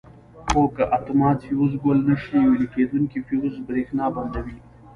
خو که اتومات فیوز ګل نه شي ویلې کېدونکي فیوز برېښنا بندوي.